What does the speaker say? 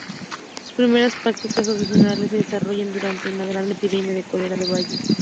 Sus primeras prácticas profesionales se desarrollaron durante una gran epidemia de cólera en Halle.